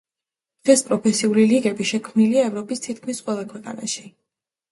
დღეს პროფესიული ლიგები შექმნილია ევროპის თითქმის ყველა ქვეყანაში.